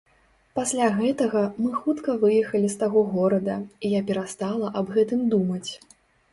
Пасля гэтага, мы хутка выехалі з таго горада, і я перастала аб гэтым думаць.